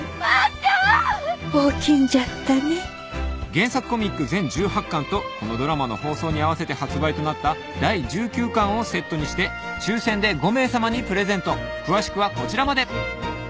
［原作コミック全１８巻とこのドラマの放送に合わせて発売となった第１９巻をセットにして抽選で５名さまにプレゼント］